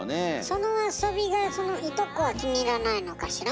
その遊びがそのいとこは気に入らないのかしら？